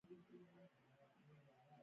اټن د پښتنو ملي او حماسي نڅا ده.